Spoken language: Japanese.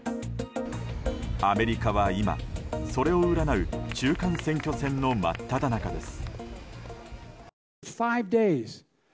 アメリカは今、それを占う中間選挙戦の真っただ中です。